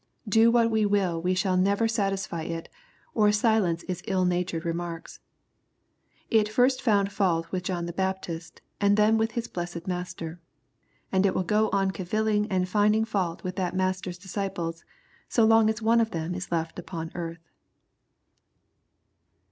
Do what we will we shall never satisfy it, or silence its ill natured remarks. It first found fault with John the Baptist, and then with his blessed Master. And it will go on cavilling and finding fault with that Master's disciples, so loDg as one of them is left upon earth.